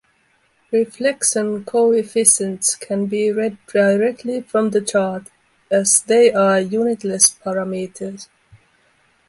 Reflection coefficients can be read directly from the chart as they are unitless parameters.